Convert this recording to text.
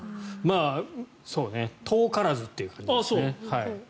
遠からずという感じですね。